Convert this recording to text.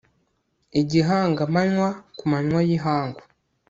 igihangamanywa ku manywa y'ihangu